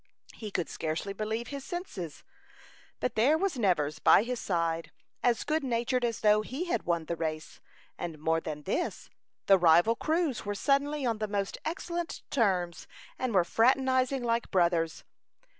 He could scarcely believe his senses; but there was Nevers by his side, as good natured as though he had won the race; and more than this, the rival crews were suddenly on the most excellent terms, and were fraternizing like brothers.